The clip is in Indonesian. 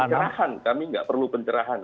pencerahan kami nggak perlu pencerahan